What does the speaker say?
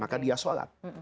maka dia sholat